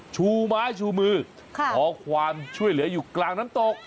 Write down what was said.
ชูไม้ชูมือขอความช่วยเหลืออยู่กลางน้ำตก